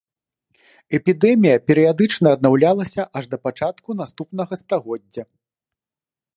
Эпідэмія перыядычна аднаўлялася аж да пачатку наступнага стагоддзя.